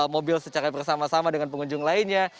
mobil secara bersama sama dengan pengunjung lainnya